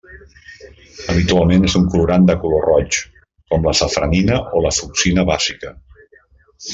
Habitualment és un colorant de color roig, com la safranina o la fucsina bàsica.